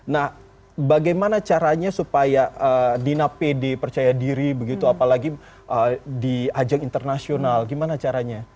nah bagaimana caranya supaya dina pede percaya diri begitu apalagi di ajang internasional gimana caranya